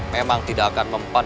memang tidak akan mempan